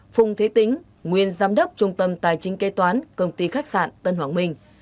phung thế tính nguyên giám đốc trung tâm tài chính kê toán công ty khách sạn tân hoàng minh